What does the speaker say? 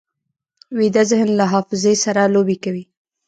ویده ذهن له حافظې سره لوبې کوي